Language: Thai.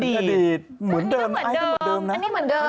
อดีตเหมือนเดิมอันนี้เหมือนเดิมอันนี้เหมือนเดิมอันนี้เหมือนเดิม